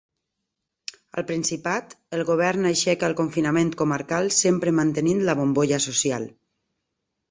Al Principat, el govern aixeca el confinament comarcal sempre mantenint la bombolla social.